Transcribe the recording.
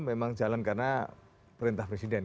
memang jalan karena perintah presiden